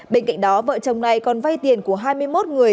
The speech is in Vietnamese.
bên cạnh đó vợ chồng này còn vay tiền của hai mươi một người